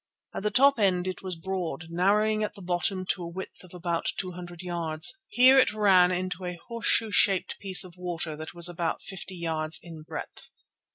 At the top end it was broad, narrowing at the bottom to a width of about two hundred yards. Here it ran into a horse shoe shaped piece of water that was about fifty yards in breadth.